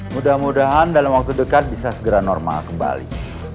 mudah mudahan dalam waktu dekat bisa segera normal kembali